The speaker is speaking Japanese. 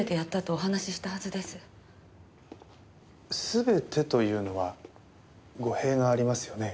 全てというのは語弊がありますよね。